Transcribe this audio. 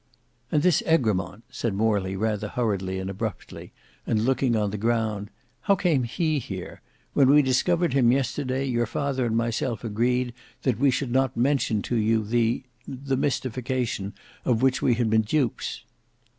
"And this Egremont," said Morley rather hurriedly and abruptly, and looking on the ground, "how came he here? When we discovered him yesterday your father and myself agreed that we should not mention to you the—the mystification of which we had been dupes."